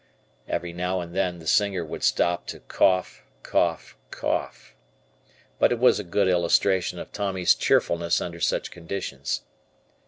Every now and then the singer would stop to Cough, Cough, Cough, but it was a good illustration of Tommy's cheerfulness under such conditions.